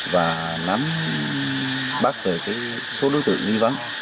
và nắm bắt tới số đối tượng nghi vấn